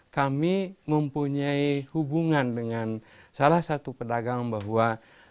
kami mempunyai hubungan dengan salah satu pedagang bahwa